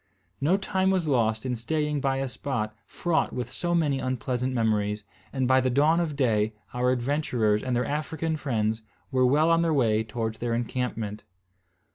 No time was lost in staying by a spot fraught with so many unpleasant memories; and by the dawn of day our adventurers and their African friends were well on the way towards their encampment.